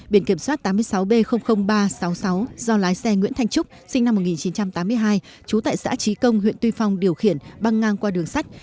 biển kiểm soát tám mươi sáu b ba trăm sáu mươi sáu do lái xe nguyễn thanh trúc sinh năm một nghìn chín trăm tám mươi hai trú tại xã trí công huyện tuy phong điều khiển băng ngang qua đường sắt